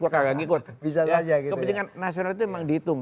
kepentingan nasional itu memang dihitung